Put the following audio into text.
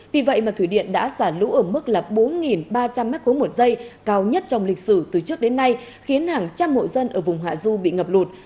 vì vậy mà thủy điện đã xả lũ ở mức bốn ba trăm linh m ba một giây cao nhất trong lịch sử từ trước đến nay khiến hàng trăm hộ dân ở vùng hạ du bị ngập lụt